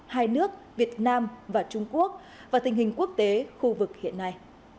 hai nước việt nam và trung quốc và tình hình quốc tế khu vực hiện nay